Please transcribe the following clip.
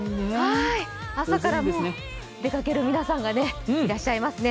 朝から出かける皆さんがいらっしゃいますね。